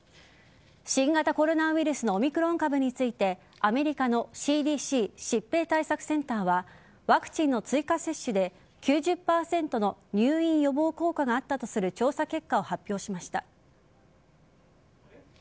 新型コロナウイルスのオミクロン株についてアメリカのＣＤＣ＝疾病対策センターはワクチンの追加接種で９０％の入院予防効果があったとする調査結果を発表しました。